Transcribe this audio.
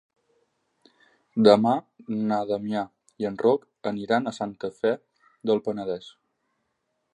Demà na Damià i en Roc aniran a Santa Fe del Penedès.